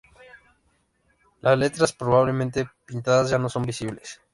Las letras, probablemente pintadas, ya no son visibles.